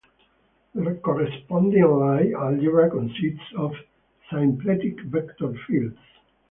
The corresponding Lie algebra consists of symplectic vector fields.